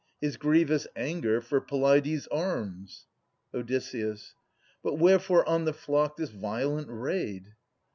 His grievous anger for Peleides' arms. Od. But wherefore on the flock this violent raid?